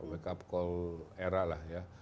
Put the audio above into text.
wake up call era lah ya